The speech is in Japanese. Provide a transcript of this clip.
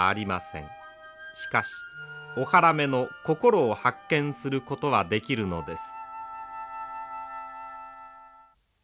しかし大原女の心を発見することはできるのです。